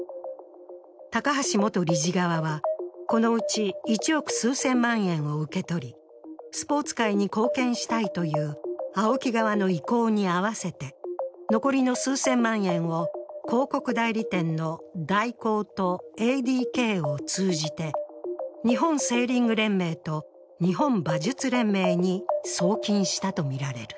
高橋元理事側は、このうち１億数千万円を受け取り、スポーツ界に貢献したいというＡＯＫＩ側の意向に合わせて残りの数千万円を広告代理店の大広とＡＤＫを通じて日本セーリング連盟と日本馬術連盟に送金したとみられる。